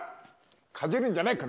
かじるんじゃない！